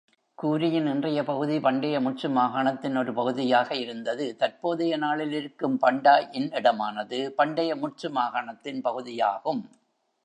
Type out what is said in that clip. கூரியின் இன்றைய பகுதி பண்டைய முட்சு மாகாணத்தின் ஒரு பகுதியாக இருந்தது.தற்போதைய-நாளில் இருக்கும் பண்டாய்-ன் இடமானது, பண்டைய முட்சு மாகாணத்தின் பகுதியாகும்.